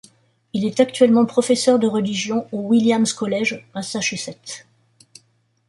Il est actuellement professeur de religion au Williams College, Massachusetts.